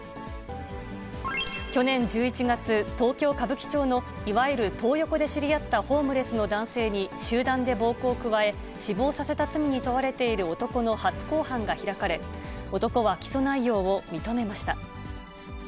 去年１１月、東京・歌舞伎町のいわゆるトー横で知り合ったホームレスの男性に集団で暴行を加え、死亡させた罪に問われている男の初公判が開かれ、男は起訴内容を認めました。